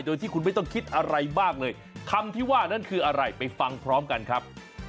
โดยที่คุณไม่ต้องคิดอะไรมากเลยคำที่ว่านั้นคืออะไรไปฟังพร้อมกันครับ